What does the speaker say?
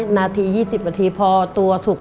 นาที๒๐นาทีพอตัวสุก